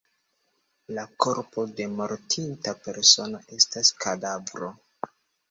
La korpo de mortinta persono estas kadavro.